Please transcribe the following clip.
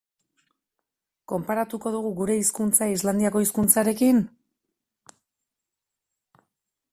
Konparatuko dugu gure hizkuntza Islandiako hizkuntzarekin?